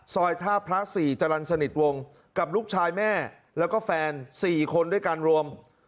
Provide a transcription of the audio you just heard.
ท่าพระ๔จรรย์สนิทวงกับลูกชายแม่แล้วก็แฟน๔คนด้วยกันรวม